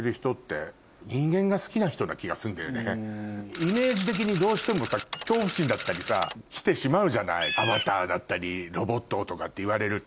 イメージ的にどうしてもさ恐怖心だったりさきてしまうじゃないアバターだったりロボットとかって言われると。